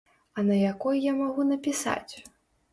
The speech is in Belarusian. А на якой я магу напісаць?